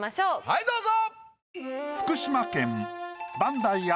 はいどうぞ！